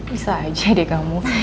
bisa aja deh kamu